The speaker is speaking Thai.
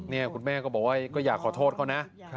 นี่คุณแม่ก็บอกว่าก็อยากขอโทษเขานะ